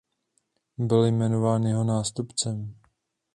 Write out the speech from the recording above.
Byl jmenován jeho nástupcem.